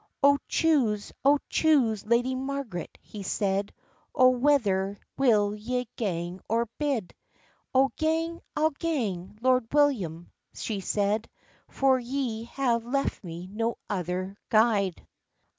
"O chuse, O chuse, Lady Marg'ret," he said, "O whether will ye gang or bide?" "I'll gang, I'll gang, Lord William," she said, "For ye have left me no other guide."